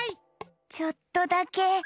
ちょっとだけ！